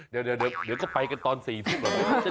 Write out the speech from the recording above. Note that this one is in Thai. เดี๋ยวเดี๋ยวก็ไปกันตอน๔๐หน่อย